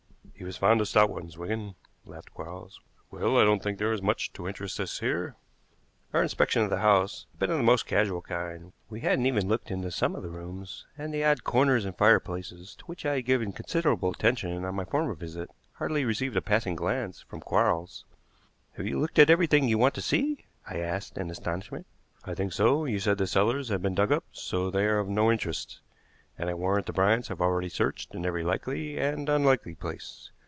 "He was fond of stout ones, Wigan," laughed Quarles. "Well, I don't think there is much to interest us here." Our inspection of the house had been of the most casual kind. We hadn't even looked into some of the rooms, and the odd corners and fireplaces to which I had given considerable attention on my former visit hardly received a passing glance from Quarles. "Have you looked at everything you want to see?" I asked in astonishment. "I think so. You said the cellars had been dug up, so they are of no interest, and I warrant the Bryants have already searched in every likely and unlikely place.